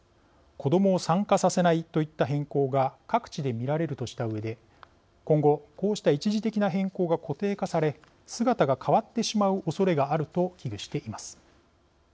子どもを参加させないといった変更が各地で見られるとしたうえで今後、こうした一時的な変更が固定化され姿が変わってしまうおそれがあると危惧しています。